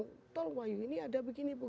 betul wahyu ini ada begini